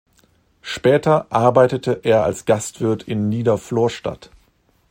Später arbeitete er als Gastwirt in Nieder-Florstadt.